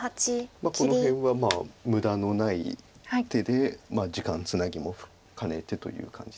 この辺は無駄のない手で時間つなぎも兼ねてという感じです。